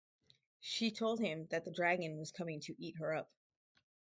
She told him that the dragon was coming to eat her up.